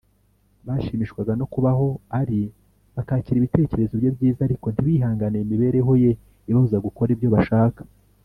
bashimishwaga no kuba aho ari, bakakira ibitekerezo bye byiza ; ariko ntibihanganire imibereho Ye ibabuza gukora ibyo bo bashaka